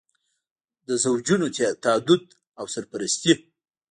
د زوجونو تعدد او سرپرستي.